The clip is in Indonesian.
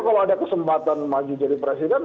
kalau ada kesempatan maju jadi presiden